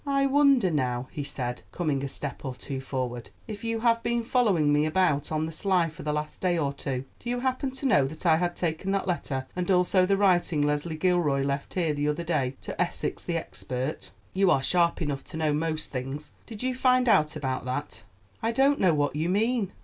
"I wonder now," he said, coming a step or two forward, "if you have been following me about on the sly for the last day or two? Do you happen to know that I had taken that letter and also the writing Leslie Gilroy left here the other day to Essex the expert? You are sharp enough to know most things. Did you find out about that?" "I don't know what you mean."